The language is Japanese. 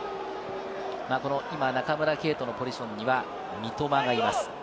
今、中村敬斗のポジションには三笘がいます。